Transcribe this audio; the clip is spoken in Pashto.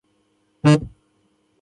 تودوخه د افغان کلتور سره تړاو لري.